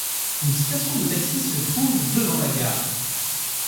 Une station de taxis se trouve devant la gare.